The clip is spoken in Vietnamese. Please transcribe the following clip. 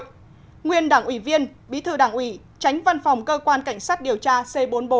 nguyên đảng ủy viên bí thư đảng ủy tránh văn phòng cơ quan cảnh sát điều tra c bốn mươi bốn